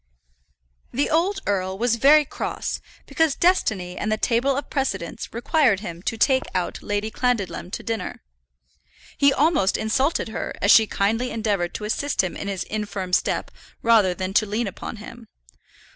The old earl was very cross because destiny and the table of precedence required him to take out Lady Clandidlem to dinner. He almost insulted her, as she kindly endeavoured to assist him in his infirm step rather than to lean upon him.